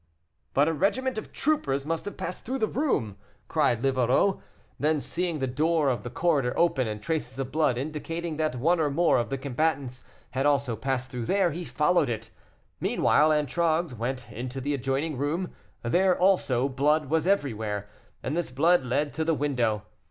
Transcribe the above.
"But a regiment of troopers must have passed through the room," cried Livarot. Then, seeing the door of the corridor open, and traces of blood indicating that one or more of the combatants had also passed through there, he followed it. Meanwhile, Antragues went into the adjoining room; there also blood was everywhere, and this blood led to the window.